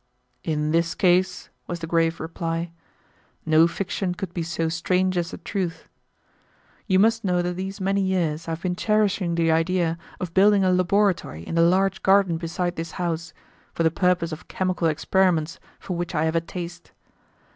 "In this case," was the grave reply, "no fiction could be so strange as the truth. You must know that these many years I have been cherishing the idea of building a laboratory in the large garden beside this house, for the purpose of chemical experiments for which I have a taste.